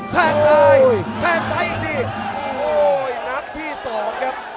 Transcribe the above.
แพงซ้ายแพงซ้ายอีกทีโอ้โหนับที่๒ครับ